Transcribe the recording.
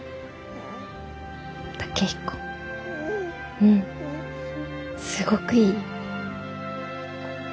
うんすごくいい！